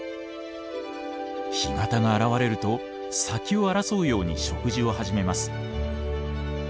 干潟が現れると先を争うように食事を始めます。